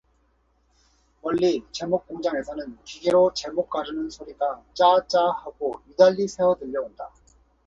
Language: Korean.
멀리 재목공장에서는 기계로 재목 가르는 소리가 짜아짜아 하고 유달리 새어 들려 온다.